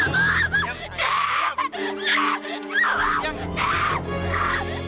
nah mau kemana kalian